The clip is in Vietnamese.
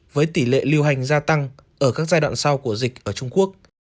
với tỷ lệ lưu hành gia tăng ở các giai đoạn sau của dịch ở trung quốc